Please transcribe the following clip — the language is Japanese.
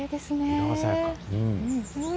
色鮮やか。